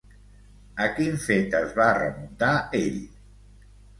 A quin fet es va remuntar ell?